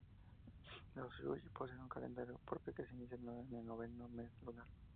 Los shui poseen un calendario propio que se inicia en el noveno mes lunar.